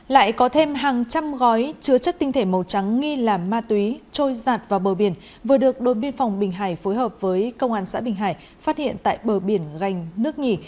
lại có thêm hàng trăm gói chứa chất tinh thể màu trắng nghi làm ma túy trôi giặt vào bờ biển vừa được đội biên phòng bình hải phối hợp với công an xã bình hải phát hiện tại bờ biển gai